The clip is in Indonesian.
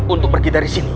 untuk pergi dari sini